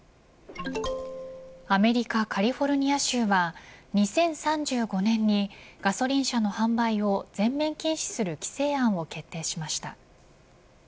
アメリカ、カリフォルニア州は２０３５年にガソリン車の販売を全面禁止する規制案を決定しました。